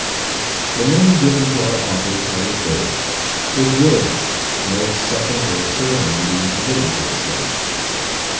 The name given to our author at his birth, was "William" no second or surname being permitted to a slave.